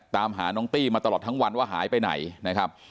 ตามหาน้องตี้มาตลอดทั้งวันว่าหายไปไหนนะครับ